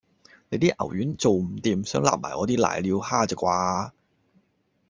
你啲牛丸做唔掂，想擸埋我啲攋尿蝦咋啩